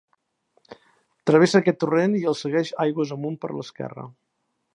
Travessa aquest torrent, i el segueix aigües amunt per l'esquerra.